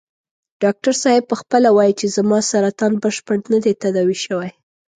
ډاکټر صاحب په خپله وايي چې زما سرطان بشپړ نه دی تداوي شوی.